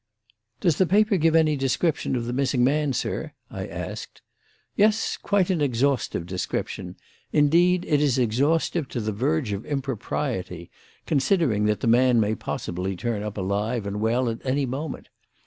"Does the paper give any description of the missing man, sir?" I asked. "Yes; quite an exhaustive description. Indeed, it is exhaustive to the verge of impropriety, considering that the man may possibly turn up alive and well at any moment.